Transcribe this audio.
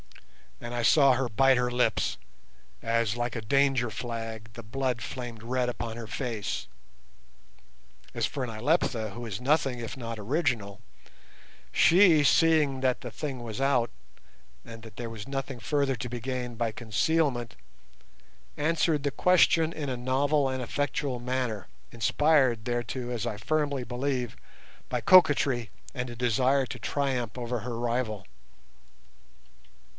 and I saw her bite her lips as, like a danger flag, the blood flamed red upon her face. As for Nyleptha, who is nothing if not original, she, seeing that the thing was out, and that there was nothing further to be gained by concealment, answered the question in a novel and effectual manner, inspired thereto, as I firmly believe, by coquetry and a desire to triumph over her rival.